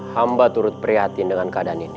hamba turut prihatin dengan keadaan ini